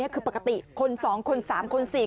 คือปกติคนสองคนสามคนสี่